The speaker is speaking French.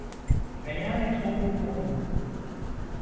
Rien n'est trop beau pour nous.